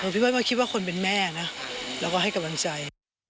ผมคิดว่าคนเป็นแม่นะแล้วก็ให้กำลังใจ